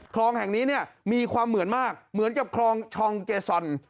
คลองแห่งนี้เนี่ยมีความเหมือนมากเหมือนกับคลองชองเกซอน